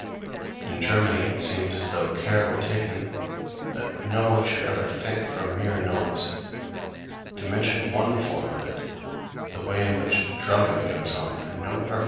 In Germany it seems as though care were taken that no one should ever think for mere noise to mention one form of it, the way in which drumming goes on for no purpose at all.